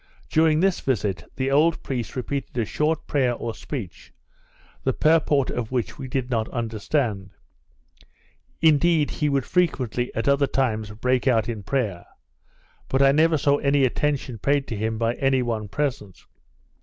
During this visit, the old priest repeated a short prayer or speech, the purport of which we did not understand. Indeed he would frequently, at other times, break out in prayer; but I never saw any attention paid to him by any one present.